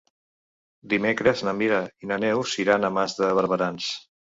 Dimecres na Mira i na Neus iran a Mas de Barberans.